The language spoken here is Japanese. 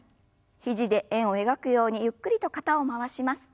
肘で円を描くようにゆっくりと肩を回します。